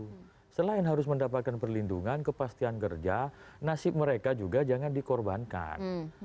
semua orang lain harus mendapatkan perlindungan kepastian kerja nasib mereka juga jangan dikorbankan